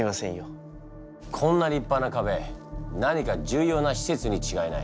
こんな立派な壁何か重要な施設に違いない。